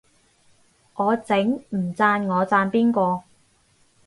我整，唔讚我讚邊個